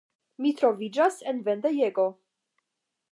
Mi troviĝas en vendejego.